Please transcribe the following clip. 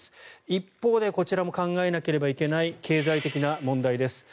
一方でこちらも考えなければいけない経済的な問題です。